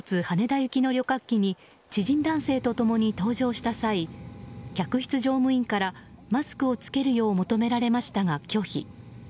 羽田行きの旅客機に知人男性と共に搭乗した際客室乗務員からマスクを着けるよう求められましたが拒否。